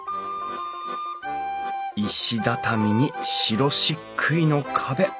石畳に白しっくいの壁。